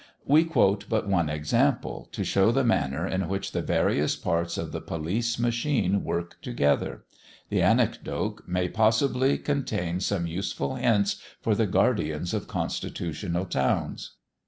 We quote but one example, to show the manner in which the various parts of the police machine work together. The anecdote may possibly contain some useful hints for the guardians of constitutional towns.